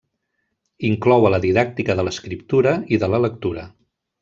Inclou a la didàctica de l'escriptura i de la lectura.